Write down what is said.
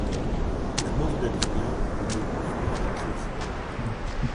La mort d'Adrien le met fin à la crise.